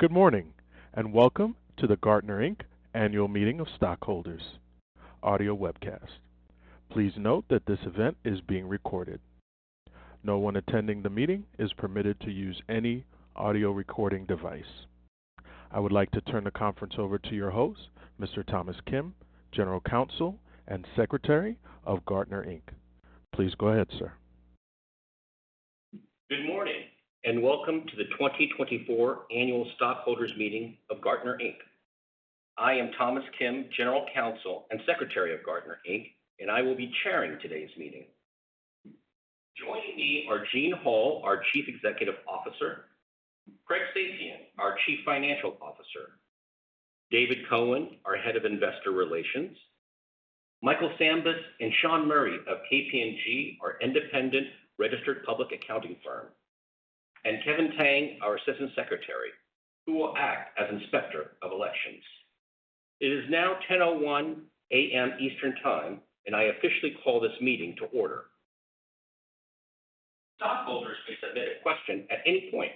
Good morning, and welcome to the Gartner, Inc Annual Meeting of Stockholders Audio Webcast. Please note that this event is being recorded. No one attending the meeting is permitted to use any audio recording device. I would like to turn the conference over to your host, Mr. Thomas Kim, General Counsel and Secretary of Gartner, Inc. Please go ahead, sir. Good morning, and welcome to the 2024 Annual Stockholders' Meeting of Gartner, Inc. I am Thomas Kim, General Counsel and Secretary of Gartner, Inc and I will be chairing today's meeting. Joining me are Eugene Hall, our Chief Executive Officer, Craig Safian, our Chief Financial Officer, David Cohen, our Head of Investor Relations, Michael Dambra and Sean Murray of KPMG, our independent registered public accounting firm, and Kevin Tang, our Assistant Secretary, who will act as Inspector of Elections. It is now 10:00 A.M. Eastern Time, and I officially call this meeting to order. Stockholders may submit a question at any point.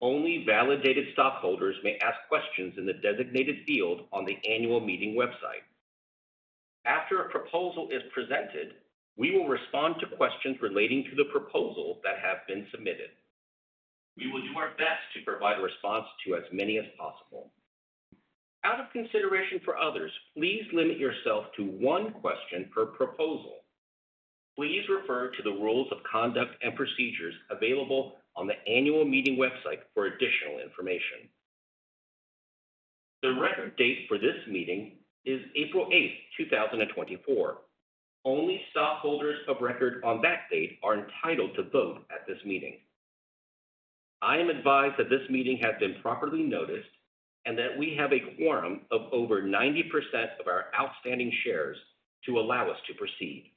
Only validated stockholders may ask questions in the designated field on the annual meeting website. After a proposal is presented, we will respond to questions relating to the proposal that have been submitted. We will do our best to provide a response to as many as possible. Out of consideration for others, please limit yourself to one question per proposal. Please refer to the rules of conduct and procedures available on the annual meeting website for additional information. The record date for this meeting is April 8, 2024. Only stockholders of record on that date are entitled to vote at this meeting. I am advised that this meeting has been properly noticed and that we have a quorum of over 90% of our outstanding shares to allow us to proceed.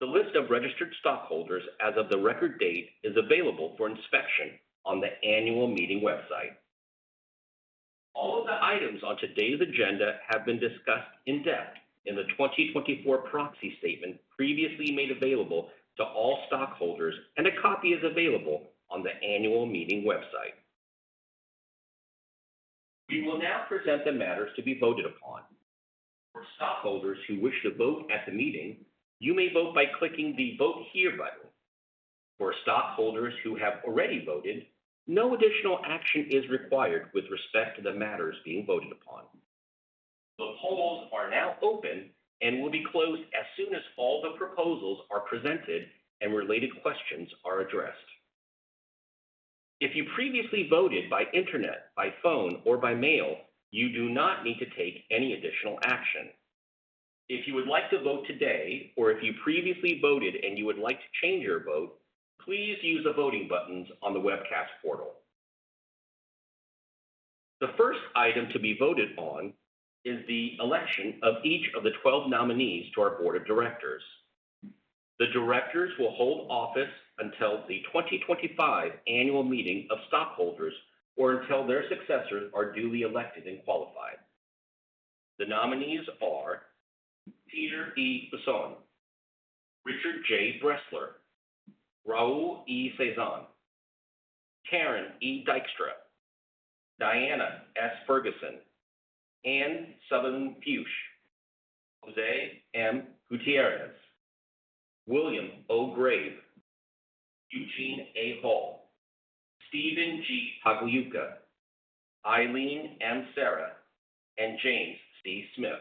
The list of registered stockholders as of the record date is available for inspection on the annual meeting website. All of the items on today's agenda have been discussed in depth in the 2024 proxy statement previously made available to all stockholders, and a copy is available on the annual meeting website. We will now present the matters to be voted upon. For stockholders who wish to vote at the meeting, you may vote by clicking the Vote Here button. For stockholders who have already voted, no additional action is required with respect to the matters being voted upon. The polls are now open and will be closed as soon as all the proposals are presented and related questions are addressed. If you previously voted by Internet, by phone, or by mail, you do not need to take any additional action. If you would like to vote today or if you previously voted and you would like to change your vote, please use the voting buttons on the webcast portal. The first item to be voted on is the election of each of the 12 nominees to our board of directors. The directors will hold office until the 2025 annual meeting of stockholders or until their successors are duly elected and qualified. The nominees are Richard J. Bressler, Richard J. Bressler, Raul E. Cesan, Karen E. Dykstra, Diana S. Ferguson, Anne Sutherland Fuchs, José M. Gutiérrez, William O. Grabe, Eugene A. Hall, Stephen G. Pagliuca, Eileen M. Serra, and James C. Smith.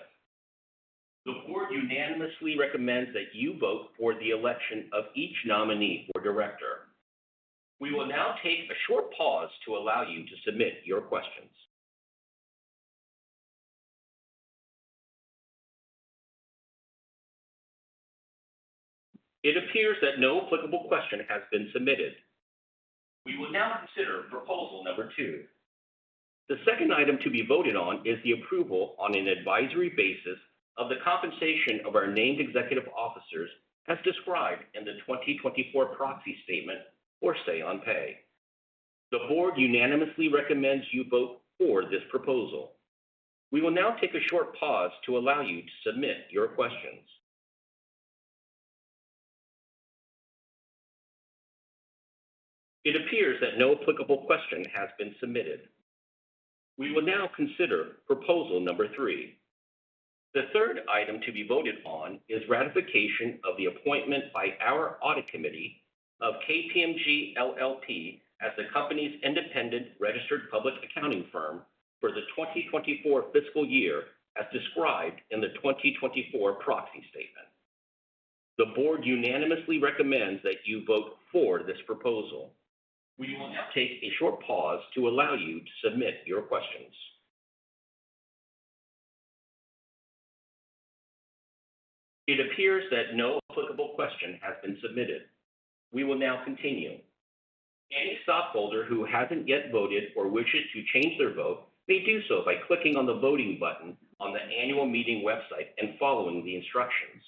The board unanimously recommends that you vote for the election of each nominee or director. We will now take a short pause to allow you to submit your questions. It appears that no applicable question has been submitted. We will now consider proposal number two. The second item to be voted on is the approval on an advisory basis of the compensation of our named executive officers as described in the 2024 Proxy Statement or Say on Pay. The board unanimously recommends you vote for this proposal. We will now take a short pause to allow you to submit your questions. It appears that no applicable question has been submitted. We will now consider proposal number three. The third item to be voted on is ratification of the appointment by our audit committee of KPMG LLP as the company's independent registered public accounting firm for the 2024 fiscal year, as described in the 2024 Proxy Statement. The board unanimously recommends that you vote for this proposal. We will now take a short pause to allow you to submit your questions. It appears that no applicable question has been submitted. We will now continue. Any stockholder who hasn't yet voted or wishes to change their vote, may do so by clicking on the voting button on the annual meeting website and following the instructions.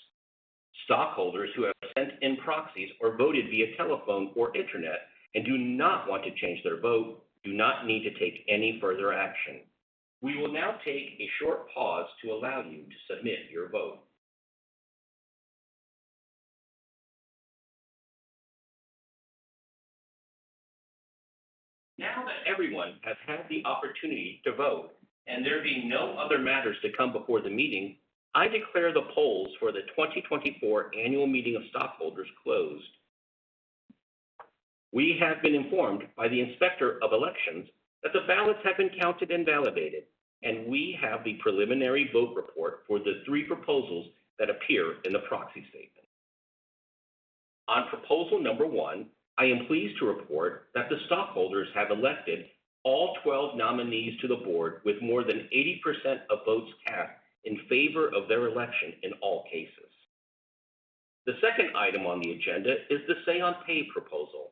Stockholders who have sent in proxies or voted via telephone or internet and do not want to change their vote, do not need to take any further action. We will now take a short pause to allow you to submit your vote. Now that everyone has had the opportunity to vote and there being no other matters to come before the meeting, I declare the polls for the 2024 Annual Meeting of Stockholders closed. We have been informed by the Inspector of Elections that the ballots have been counted and validated, and we have the preliminary vote report for the three proposals that appear in the proxy statement. On proposal number one, I am pleased to report that the stockholders have elected all 12 nominees to the Board with more than 80% of votes cast in favor of their election in all cases. The second item on the agenda is the Say on Pay proposal.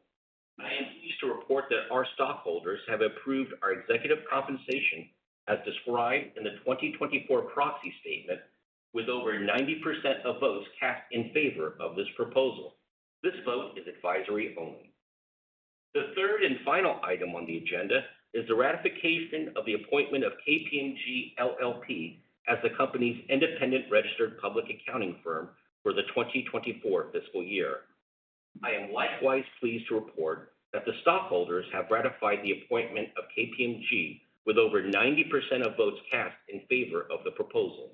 I am pleased to report that our stockholders have approved our executive compensation as described in the 2024 proxy statement, with over 90% of votes cast in favor of this proposal. This vote is advisory only. The third and final item on the agenda is the ratification of the appointment of KPMG LLP as the company's independent registered public accounting firm for the 2024 fiscal year. I am likewise pleased to report that the stockholders have ratified the appointment of KPMG with over 90% of votes cast in favor of the proposal.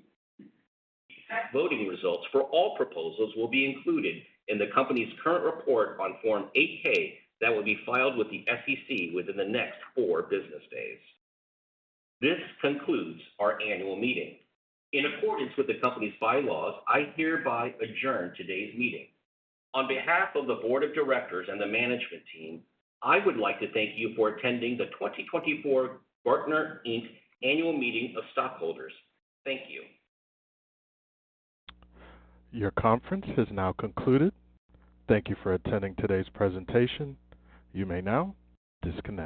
Voting results for all proposals will be included in the company's current report on Form 8-K that will be filed with the SEC within the next four business days. This concludes our annual meeting. In accordance with the company's bylaws, I hereby adjourn today's meeting. On behalf of the Board of Directors and the management team, I would like to thank you for attending the 2024 Gartner, Inc Annual Meeting of Stockholders. Thank you. Your conference has now concluded. Thank you for attending today's presentation. You may now disconnect.